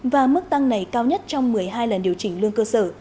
và mức tăng này cao nhất trong một mươi hai lần điều chỉnh lương cơ sở